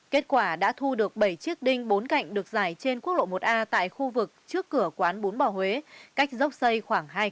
kết quả đã thu được bảy chiếc đinh bốn cạnh được giải trên quốc lộ một a tại khu vực trước cửa quán bốn bò huế cách dốc xây khoảng hai trăm linh